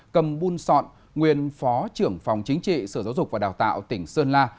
cầm bun sọn nguyên phó trưởng phòng chính trị sở giáo dục và đào tạo tỉnh sơn la